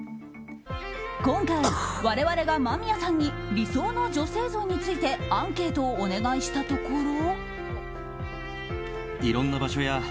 今回、我々が間宮さんに理想の女性像についてアンケートをお願いしたところ。